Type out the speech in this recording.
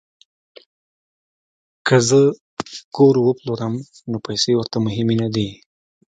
که زه کور وپلورم نو پیسې ورته مهمې نه دي